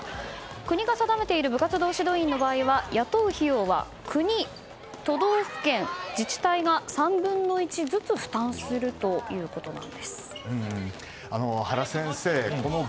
国が定めている部活動指導員は雇う費用は国、都道府県、自治体が３分の１ずつ負担するということなんです。